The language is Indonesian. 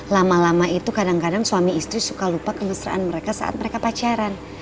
lama lama itu kadang kadang suami istri suka lupa kemesraan mereka saat mereka pacaran